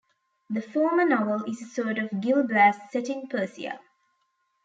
The former novel is a sort of "Gil Blas" set in Persia.